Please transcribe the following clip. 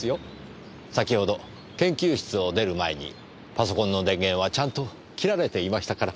先ほど研究室を出る前にパソコンの電源はちゃんと切られていましたから。